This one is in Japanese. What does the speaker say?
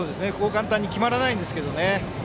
簡単に決まらないんですけどね。